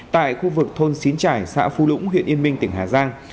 tại khu vực thôn xín trải xã phu lũng huyện yên minh tỉnh hà giang